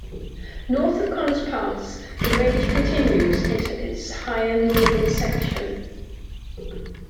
North of Connors Pass the range continues into its higher northern section.